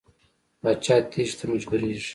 پاچا تېښتې ته مجبوریږي.